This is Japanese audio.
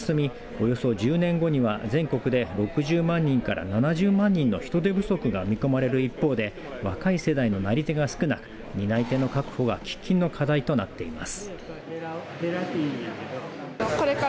およそ１０年後には全国で６０万人から７０万人の人手不足が見込まれる一方で若い世代のなり手が少なく担い手の確保が喫緊の課題となっています。